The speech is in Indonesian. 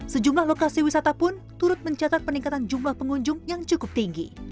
sejumlah lokasi wisata pun turut mencatat peningkatan jumlah pengunjung yang cukup tinggi